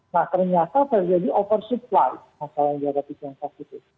nah ternyata terjadi oversupply masalah yang dihadapi tiongkok itu